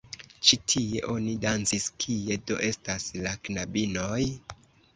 Ĉi tie oni dancis, kie do estas la knabinoj?